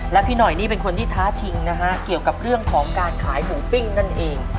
และพี่หน่อยนี่เป็นคนที่ท้าชิงนะฮะเกี่ยวกับเรื่องของการขายหมูปิ้งนั่นเอง